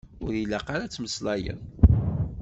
Ur ilaq ara ad temmeslayeḍ.